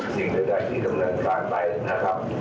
สิ่งใดที่ดำเนินการไปนะครับ